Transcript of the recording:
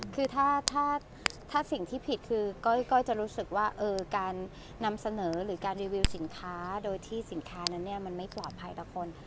คือถ้าสิ่งที่ผิดคือก้อยจะรู้สึกว่าการนำเสนอหรือการรีวิวสินค้าโดยที่สินค้านั้นมันไม่ปลอดภัยต่อคน